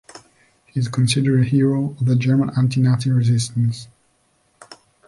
He is considered a hero of the German anti-Nazi resistance.